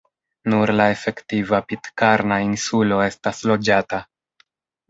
Nur la efektiva Pitkarna insulo estas loĝata.